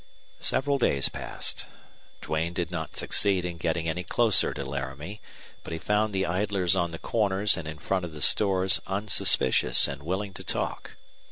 Several days passed. Duane did not succeed in getting any closer to Laramie, but he found the idlers on the corners and in front of the stores unsuspicious and willing to talk.